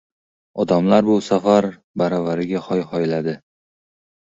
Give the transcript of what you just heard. Odamlar bu safar baravariga hoy-hoyladi: